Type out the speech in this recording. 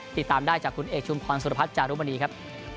ติดตามได้จากคุณเอกชุมพรสุรพัฒน์จารุมณีครับ